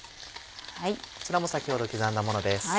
こちらも先ほど刻んだものです。